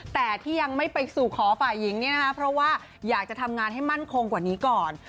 แต่ที่ยังไม่ไปสู่ขอฝ่ายหญิงเนี่ยนะคะเพราะว่าอยากจะทำงานให้มั่นคงกว่านี้ก่อน